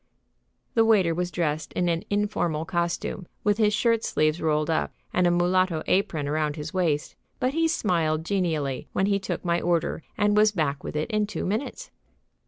The waiter was dressed in an informal costume, with his shirt sleeves rolled up and a mulatto apron about his waist, but he smiled genially when he took my order and was back with it in two minutes.